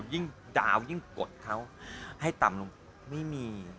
ยิ่งดาวยิ่งกดเค้าให้ต่ำลง